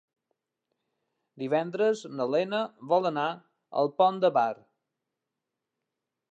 Divendres na Lena vol anar al Pont de Bar.